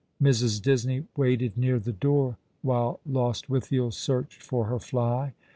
Mrs. Disney waited near the door while Lostwithiel searched for her fly.